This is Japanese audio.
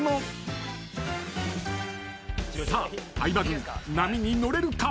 ［さあ相葉軍波に乗れるか？］